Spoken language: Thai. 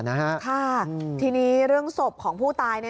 ค่ะทีนี้เรื่องศพของผู้ตาย